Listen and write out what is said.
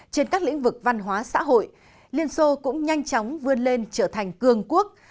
trên các lĩnh vực văn hóa xã hội liên xô cũng nhanh chóng vươn lên trở thành cường quốc